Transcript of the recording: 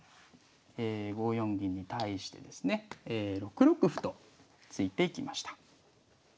５四銀に対してですね６六歩と突いていきました。